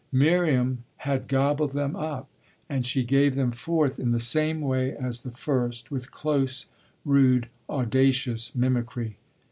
Miriam had gobbled them up, and she gave them forth in the same way as the first, with close, rude, audacious mimicry.